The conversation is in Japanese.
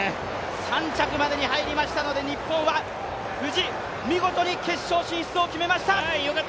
３着までに入りましたので、日本は無事、見事に決勝進出を決めました。